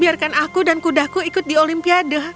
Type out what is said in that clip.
biarkan aku dan kudaku ikut di olimpiade